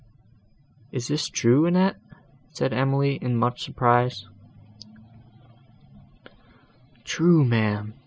"Is this true, Annette?" said Emily, in much surprise. "True, ma'am!"